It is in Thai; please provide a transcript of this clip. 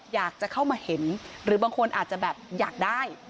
อยากจะเข้ามาเห็นหรือบางคนอาจจะแบบอยากได้